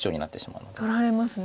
取られますね。